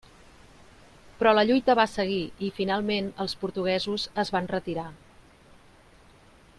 Però la lluita va seguir i finalment els portuguesos es van retirar.